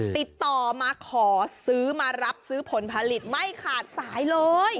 ติดต่อมาขอซื้อมารับซื้อผลผลิตไม่ขาดสายเลย